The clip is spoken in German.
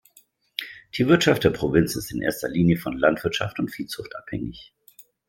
Die Wirtschaft der Provinz ist in erster Linie von Landwirtschaft und Viehzucht abhängig.